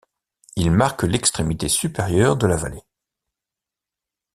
Il marque l'extrémité supérieure de la vallée.